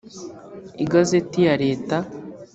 igazeti ya leta